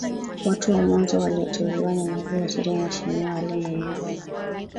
Watu wa mwanzo walioteuliwa ni Naibu Waziri Mheshimiwa Ali Mwinyigogo